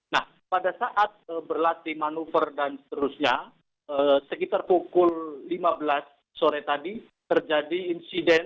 nah pada saat berlatih manuver dan seterusnya sekitar pukul lima belas sore tadi terjadi insiden